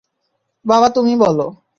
বাবা তুমি বলো।